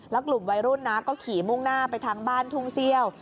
แล้วกลุ่มวัยรุ่นนะก็ขี่มุ่งหน้าไปทางบ้านทุ่งเซี่ยว